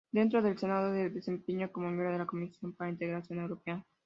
Dentro del Senado se desempeñó como miembro de la Comisión para la Integración Europea.